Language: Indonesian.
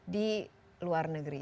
di luar negeri